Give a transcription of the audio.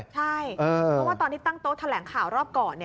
ใช่เพราะว่าตอนที่ตั้งโต๊ะแถลงข่าวรอบก่อน